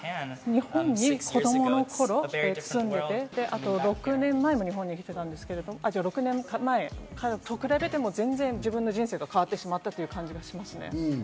日本に子供の頃住んでいて、あと６年前、日本に来てたんですけど、そこと比べても自分の人生が変わってしまったという感じがしますね。